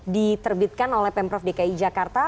diterbitkan oleh pemprov dki jakarta